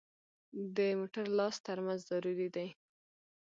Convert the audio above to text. د موټر لاس ترمز ضروري دی.